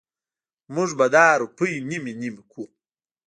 مونږ به دا روپۍ نیمې نیمې کړو.